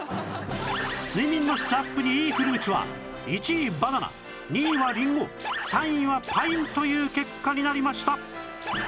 睡眠の質アップにいいフルーツは１位バナナ２位はりんご３位はパインという結果になりました